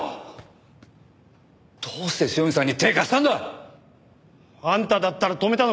どうして塩見さんに手貸したんだ！？あんただったら止めたのか？